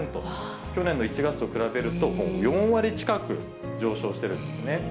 去年の１月と比べると、４割近く上昇してるんですね。